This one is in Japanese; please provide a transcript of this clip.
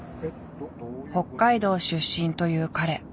北海道出身という彼。